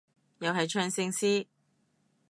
又係唱聖詩？